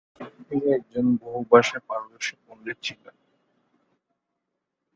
তিনি একজন বহুভাষায় পারদর্শী পণ্ডিত ছিলেন।